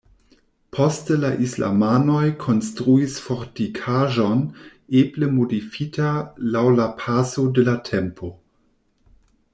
Poste la islamanoj konstruis fortikaĵon eble modifita laŭ la paso de la tempo.